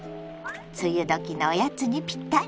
梅雨時のおやつにぴったりね。